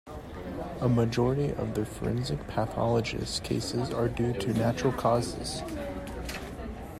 A majority of the forensic pathologists cases are due to natural causes.